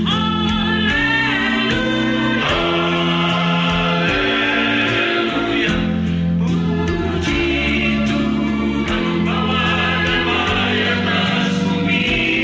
alleluia puji tuhan bawa dema yang tak sumi